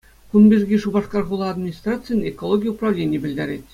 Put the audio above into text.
Кун пирки Шупашкар хула администрацийӗн экологи управленийӗ пӗлтерет.